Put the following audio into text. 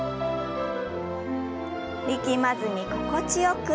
力まずに心地よく。